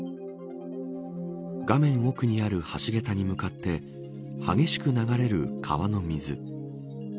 画面奥にある橋桁に向かって激しく流れる川の水。